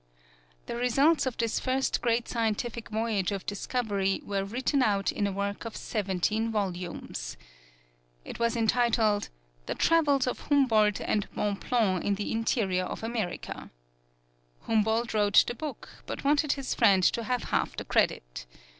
The results of this first great scientific voyage of discovery were written out in a work of seventeen volumes. It was entitled, "The Travels of Humboldt and Bonpland in the Interior of America." Humboldt wrote the book, but wanted his friend to have half the credit.